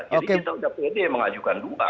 jadi kita udah pede mengajukan dua